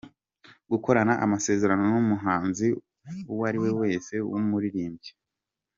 Gukorana amasezerano n’umuhanzi uwariwe wese w’umuririmbyi.